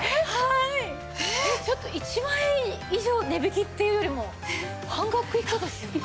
１万円以上値引きっていうよりも半額以下ですよね？